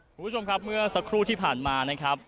คุณผู้ชมครับเมื่อสักครู่ที่ผ่านมานะครับ